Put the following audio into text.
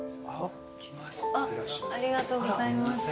ありがとうございます。